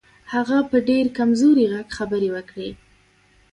هغه په ډېر کمزوري غږ خبرې وکړې.